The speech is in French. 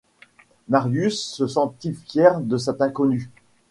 Marius se sentit fier de cet inconnu.